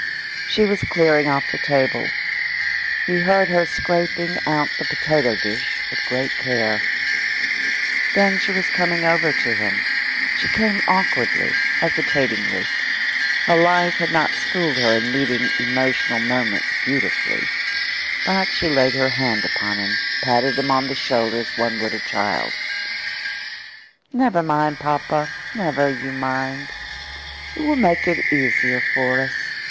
She was clearing off the table. He heard her scraping out the potato dish with great care. Then she was coming over to him. She came awkwardly, hesitatingly her life had not schooled her in meeting emotional moments beautifully but she laid her hand upon him, patted him on the shoulder as one would a child. "Never mind, papa never you mind. It will make it easier for us.